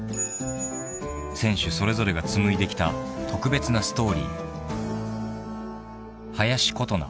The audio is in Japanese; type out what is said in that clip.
［選手それぞれが紡いできた特別なストーリー］